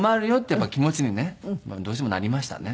やっぱり気持ちにねどうしてもなりましたね。